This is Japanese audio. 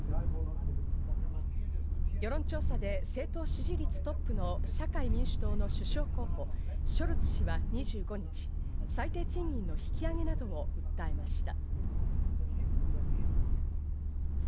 世論調査で政党支持率トップの社会民主党の首相候補ショルツ氏は２５日、最低賃金の引き上げなどを訴えました。